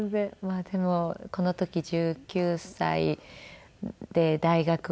まあでもこの時１９歳で大学をねえ。